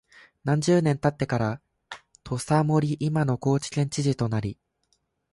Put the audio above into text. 何十年か経ってから土佐守（いまの高知県知事）となり、